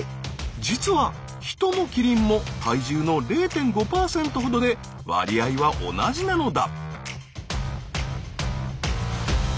実はヒトもキリンも体重の０．５％ほどで割合は同じなのだ。